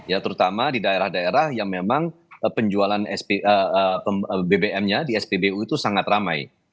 karena ada daerah daerah yang memang penjualan bbm nya di spbu itu sangat ramai